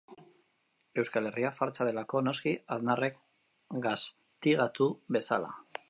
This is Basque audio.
Euskal Herria fartsa delako, noski, Aznarrek gaztigatu bezala.